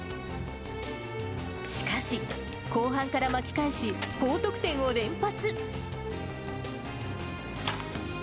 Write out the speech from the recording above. しかし、後半から巻き返し、高得点を連発。